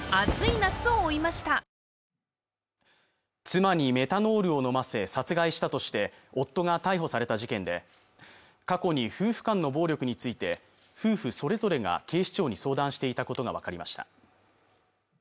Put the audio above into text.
妻にメタノールを飲ませ殺害したとして夫が逮捕された事件で過去に夫婦間の暴力について夫婦それぞれが警視庁に相談していたことが分かりました